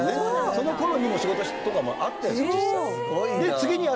その頃にもう仕事とかも会ってるんですよ実際。